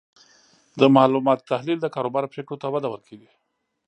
د معلوماتو تحلیل د کاروبار پریکړو ته وده ورکوي.